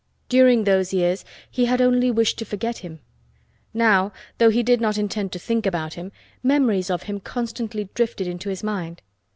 During those years he had only wished to forget him. Now, though he did not intend to think about him, memories of him constantly drifted into his mind.